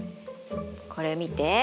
これ見て。